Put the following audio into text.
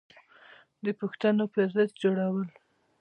د پوښتنو فهرست جوړول